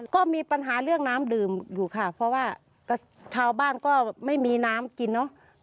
ก็มีปัญหาเรื่องน้ำดื่มอยู่ค่ะเพราะว่าชาวบ้านก็ไม่มีน้ำกินเนอะ